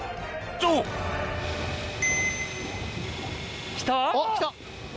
おっ来た！